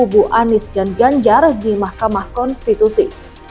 misdan ganjar di mahkamah konstitusi